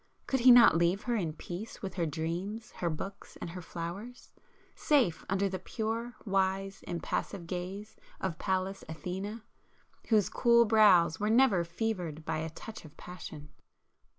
Could he not leave her in peace with her dreams, her books and her flowers?—safe under the pure, wise, impassive gaze of Pallas Athene, whose cool brows were never fevered by a touch of passion?